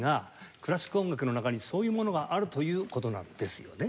クラシック音楽の中にそういうものがあるという事なんですよね？